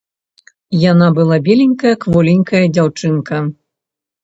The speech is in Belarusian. Яна была беленькая, кволенькая дзяўчынка.